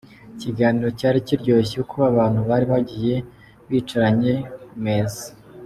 Ikiganiro cyari kiryoshye uko abantu bari bagiye bicaranye ku meza.